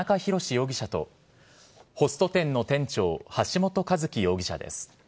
容疑者と、ホスト店の店長、橋本一喜容疑者です。